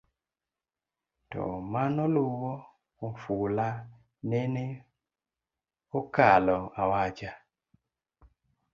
to manoluwo ofula nene okalo awacha